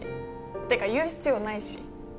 てか言う必要ないし。